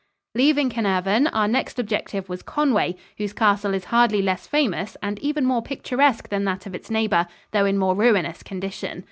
Leaving Carnarvon, our next objective was Conway, whose castle is hardly less famous and even more picturesque than that of its neighbor, though in more ruinous condition.